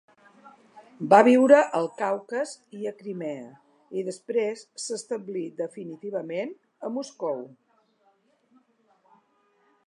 Va viure al Caucas i a Crimea, i després s'establí definitivament a Moscou.